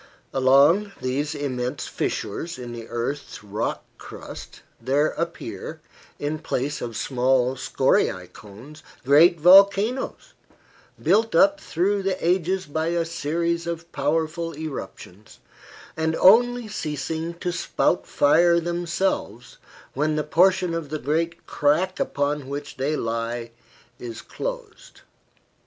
Along these immense fissures in the earth's rock crust there appear, in place of small scoriae cones, great volcanoes, built up through the ages by a series of powerful eruptions, and only ceasing to spout fire themselves when the portion of the great crack upon which they lie is closed.